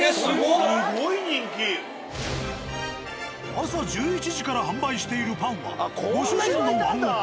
朝１１時から販売しているパンはご主人のワンオペ。